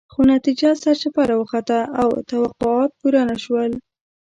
خو نتیجه سرچپه راوخته او توقعات پوره نه شول.